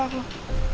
mana pesanan aku